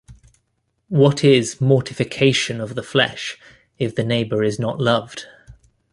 What is mortification of the flesh if the neighbor is not loved?